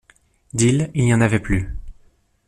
D’île, il n’y en avait plus!